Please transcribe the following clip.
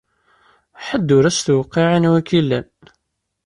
Ḥedd ur as-tewqiɛ anwa i k-ilan.